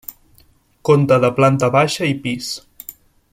Conta de planta baixa i pis.